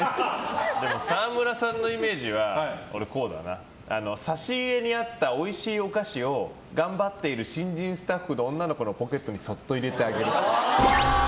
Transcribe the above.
沢村さんのイメージは差し入れにあったおいしいお菓子を頑張っている新人スタッフの女の子のポケットにそっと入れてあげるっぽい。